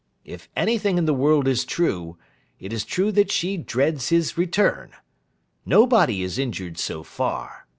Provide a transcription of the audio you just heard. If anything in the world is true, it is true that she dreads his return. Nobody is injured so far.